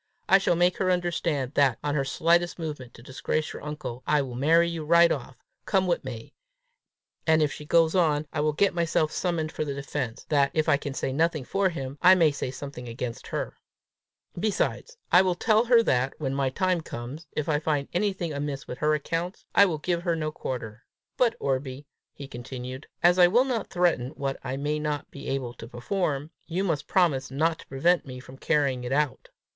I shall make her understand that, on her slightest movement to disgrace your uncle, I will marry you right off, come what may; and if she goes on, I shall get myself summoned for the defence, that, if I can say nothing for him, I may say something against her. Besides, I will tell her that, when my time comes, if I find anything amiss with her accounts, I will give her no quarter. But, Orbie," he continued, "as I will not threaten what I may not be able to perform, you must promise not to prevent me from carrying it out."